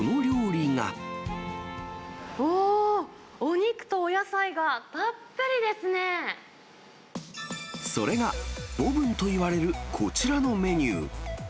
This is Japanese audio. おー、お肉とお野菜がたっぷそれが、ボブンといわれるこちらのメニュー。